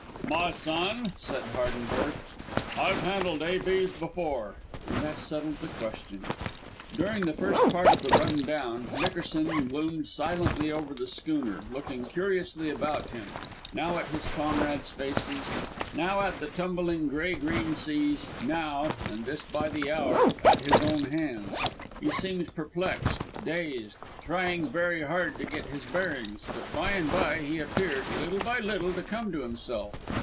"My son," said Hardenberg, "I've handled A.B.'s before;" and that settled the question. During the first part of the run down, Nickerson gloomed silently over the schooner, looking curiously about him, now at his comrades' faces, now at the tumbling gray green seas, now and this by the hour at his own hands. He seemed perplexed, dazed, trying very hard to get his bearings. But by and by he appeared, little by little, to come to himself.